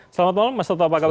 selamat malam mas toto pak galar